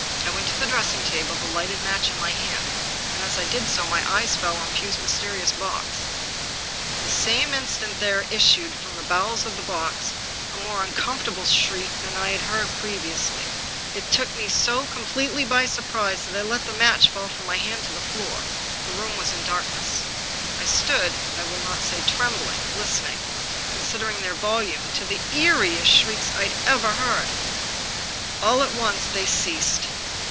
I went to the dressing table, the lighted match in my hand, and, as I did so, my eyes fell on Pugh's mysterious box. That same instant there issued, from the bowels of the box, a more uncom fortable screech than any I had previously heard. It took me so completely by surprise that I Iqt the match fall from my hand to the floor. The room was in darkness. I stood, I will not say trembling, listening— considering their vol ume — to the eeriest shrieks I ever heard. All at once they ceased.